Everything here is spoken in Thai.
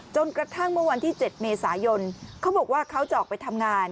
กระทั่งเมื่อวันที่๗เมษายนเขาบอกว่าเขาจะออกไปทำงาน